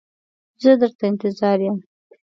زه در ته انتظار یم.